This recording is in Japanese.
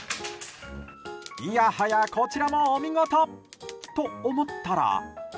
いやはや、こちらもお見事と、思ったら。